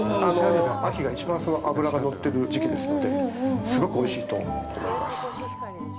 秋がいちばん脂が乗ってる時期ですので、すごくおいしいと思います。